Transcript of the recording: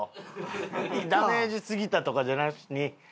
ダメージすぎたとかじゃなしに。